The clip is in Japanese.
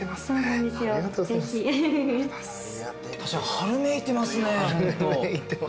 春めいてますね。